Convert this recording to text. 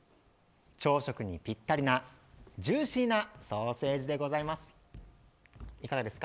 朝食にぴったりなジューシーなソーセージでございます。